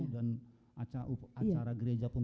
dan acara gereja pun